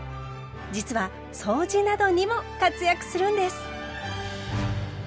実は掃除などにも活躍するんです！